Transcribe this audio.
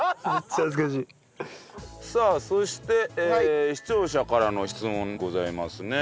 さあそして視聴者からの質問ございますね。